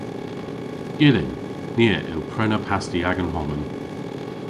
Gyllyn. Ev a yll prena pasti agan honan.